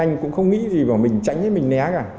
anh em cũng không nghĩ gì mà mình tránh mình né cả